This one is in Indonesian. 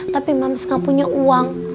tapi mans gak punya uang